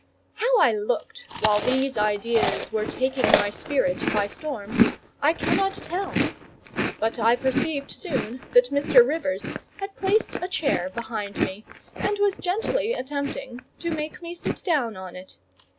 How I looked while these ideas were taking my spirit by storm, I cannot tell; but I perceived soon that Mr. Rivers had placed a chair behind me, and was gently attempting to make me sit down on it.